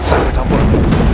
kamu jangan pulang